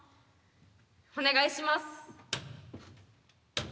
お願いします。